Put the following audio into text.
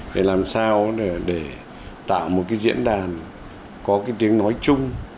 để làm sao để tạo một cái diễn đàn có cái tiếng nói chung